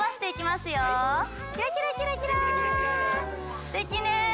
すてきね。